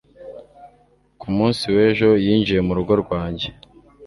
ku munsi w'ejo, yinjiye mu rugo rwanjye